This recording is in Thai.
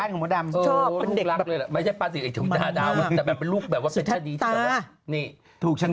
หมู่ดำเป็นใสจุง